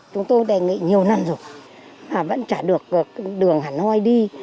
chúng tôi đề nghị nhiều năm rồi mà vẫn chả được đường hà nội đi